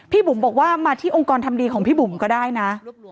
บุ๋มบอกว่ามาที่องค์กรทำดีของพี่บุ๋มก็ได้นะ